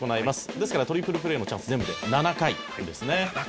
「ですからトリプルプレーのチャンスは全部で７回ですね」